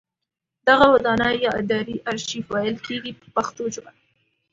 دغه ودانۍ یا ادارې ارشیف ویل کیږي په پښتو ژبه.